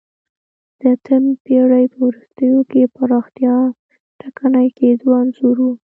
د اتمې پېړۍ په وروستیو کې پراختیا ټکنۍ کېدو انځور و